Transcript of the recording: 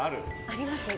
あります。